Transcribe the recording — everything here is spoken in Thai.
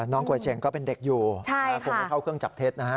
น้องกัวเจ๋งก็เป็นเด็กอยู่คงจะเข้าเครื่องจับเท็จ